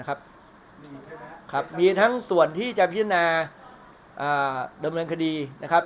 ครับมีทั้งส่วนที่จะพิจารณาอ่าดำเนินคดีนะครับ